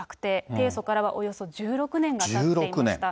提訴からはおよそ１６年がたっていました。